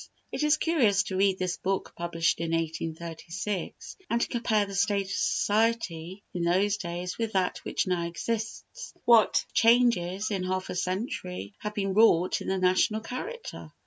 It is curious to read this book, published in 1836, and to compare the state of society in those days with that which now exists. What changes, in half a century, have been wrought in the national character!